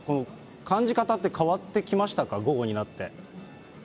感じ方って変わってきましたか、午後になって。